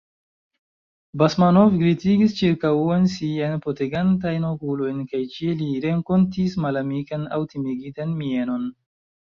Basmanov glitigis ĉirkaŭen siajn petegantajn okulojn kaj ĉie li renkontis malamikan aŭ timigitan mienon.